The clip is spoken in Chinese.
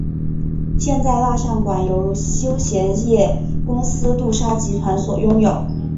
现在蜡像馆由休闲业公司杜莎集团所拥有。